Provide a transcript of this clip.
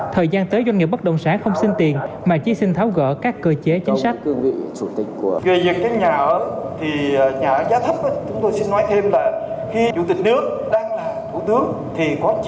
thời gian tới doanh nghiệp bất động sản không xin tiền mà chỉ xin tháo gỡ các cơ chế chính sách